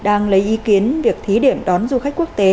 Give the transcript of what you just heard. đang lấy ý kiến việc thí điểm đón du khách quốc tế